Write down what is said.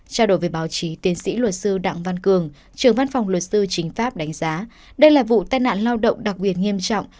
trao đổi với báo chí tiến sĩ luật sư đặng văn cường trưởng văn phòng luật sư chính pháp đánh giá đây là vụ tai nạn lao động đặc biệt nghiêm trọng